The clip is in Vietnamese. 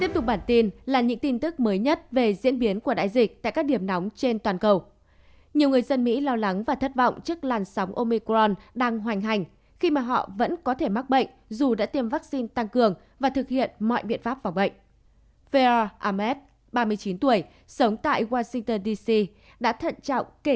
các bạn hãy đăng ký kênh để ủng hộ kênh của chúng mình nhé